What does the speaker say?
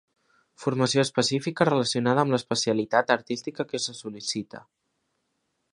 Formació específica relacionada amb l'especialitat artística que se sol·licita.